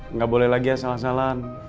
nggak boleh lagi ya salah salahan